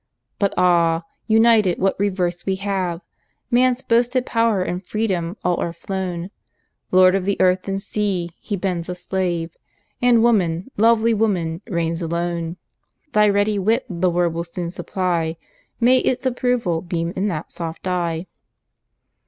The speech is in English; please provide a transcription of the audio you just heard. But ah! united, what reverse we have! Man's boasted power and freedom, all are flown; Lord of the earth and sea, he bends a slave, And woman, lovely woman, reigns alone. Thy ready wit the word will soon supply, May its approval beam in that soft eye!